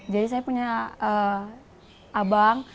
jadi saya punya abang